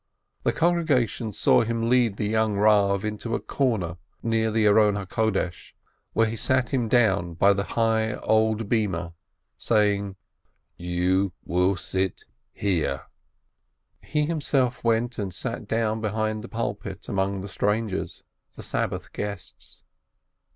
The congregation saw him lead the young Rav into the corner near the ark, where he sat him down by the high old desk, saying: THE LAST OF THEM 577 "You will sit here." He himself went and sat down behind the pulpit among the strangers, the Sabbath guests.